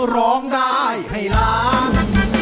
ร้องได้ให้ล้าน